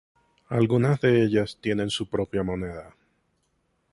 Algunas de ellas tienen su propia moneda.